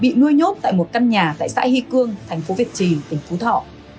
bị nuôi nhốt tại một căn nhà tại xã hy cương thành phố việt trì tỉnh phú thọ